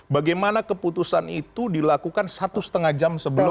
bagaimana keputusan itu dilakukan satu setengah jam sebelum